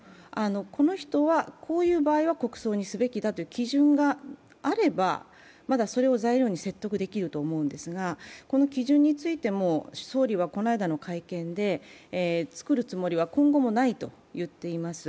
この人はこういう場合は国葬にすべきだという基準があれば、まだそれを材料に説得できると思うんですが、この基準についても総理はこの間の会見でつくるつもりは今後もないと言っています。